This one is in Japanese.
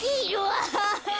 アハハハ！